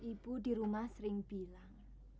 ibu di rumah sering bilang